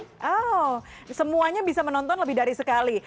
oh semuanya bisa menonton lebih dari sekali